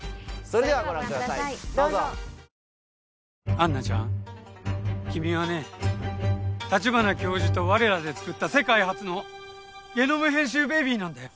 アンナちゃん君はね立花教授と我らでつくった世界初のゲノム編集ベビーなんだよ。